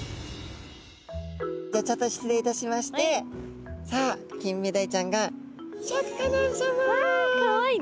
じゃあちょっと失礼いたしましてさあキンメダイちゃんがわかわいい。